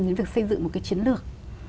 những việc xây dựng một cái chiến lược